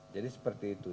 jadi seperti itu